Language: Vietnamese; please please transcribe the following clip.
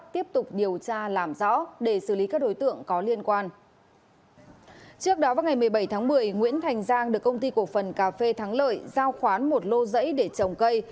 trước đó vào ngày một mươi bảy tháng một mươi nguyễn thành giang được công ty cổ phần cà phê thắng lợi giao khoán một lô giấy để trồng cây